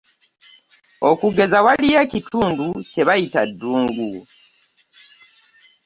Okugeza, waliyo ekitundu kye bayita Dungu.